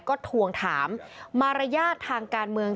ก็ทวงถามมารยาททางการเมือง